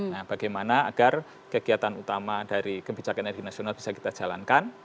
nah bagaimana agar kegiatan utama dari kebijakan energi nasional bisa kita jalankan